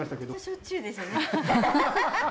しょっちゅうですよね。